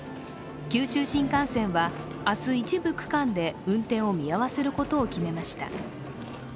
九州新幹線は明日、一部区間で運転を見合わせることを決めました。